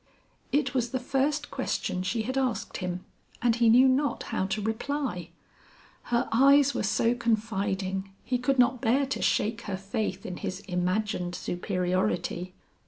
It was the first question she had asked him and he knew not how to reply. Her eyes were so confiding, he could not bear to shake her faith in his imagined superiority.